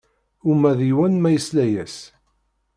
Uma d yiwen ma yesla-yas.